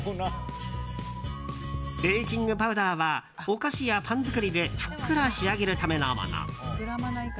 ベーキングパウダーはお菓子やパン作りでふっくら仕上げるためのもの。